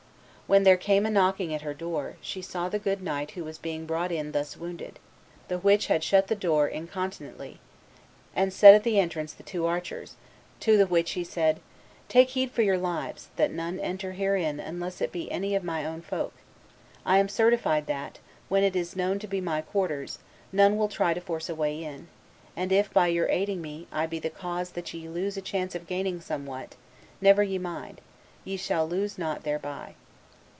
When there came a knocking at her door, she saw the good knight who was being brought in thus wounded, the which had the door shut incontinently, and set at the entrance the two archers, to the which he said, 'Take heed for your lives, that none enter herein unless it be any of my own folk; I am certified that, when it is known to be my quarters, none will try to force a way in; and if, by your aiding me, I be the cause that ye lose a chance of gaining somewhat, never ye mind; ye shall lose nought thereby.